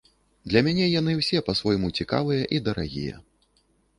Для мяне яны ўсе па-свойму цікавыя і дарагія.